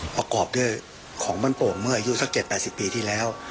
ประกอบด้วยของบ้านโป่งเมื่ออายุสัก๗๘๐ปีที่แล้ว